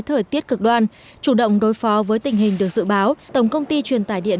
thời tiết cực đoan chủ động đối phó với tình hình được dự báo tổng công ty truyền tải điện